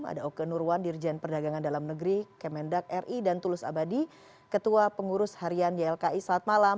ada oke nurwan dirjen perdagangan dalam negeri kemendak ri dan tulus abadi ketua pengurus harian ylki saat malam